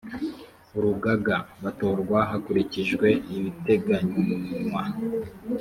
urugaga batorwa hakurikijwe ibiteganywa